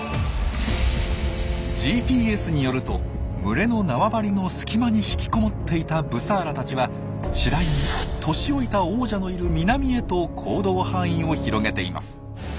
ＧＰＳによると群れの縄張りの隙間に引きこもっていたブサーラたちは次第に年老いた王者のいる南へと行動範囲を広げています。